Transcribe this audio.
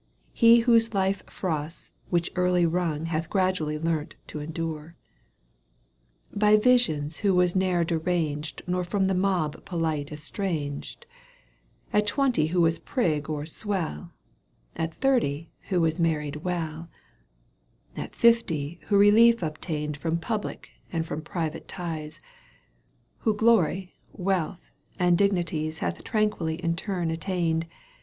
He who life's frosts which early wrung «тч Hath gradually learnt to endure ; Digitized by VjOOQ 1С CANTO VIII. EUGENE ONJfeGUINE 227 By visions who was ne'er deranged Nor from the mob poKte estranged, At twenty who was prig or swell, At thirty who was married well. At fifty who relief obtained From public and from private ties, Who glory, wealth and dignities Hath tranquilly in turn attained.